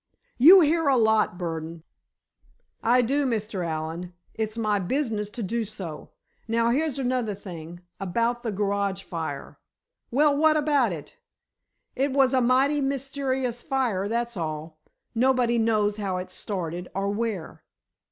"You hear a lot, Burdon." "I do, Mr. Allen. It's my business to do so. Now, here's another thing. About that garage fire." "Well, what about it?" "It was a mighty mysterious fire, that's all. Nobody knows how it started, or where."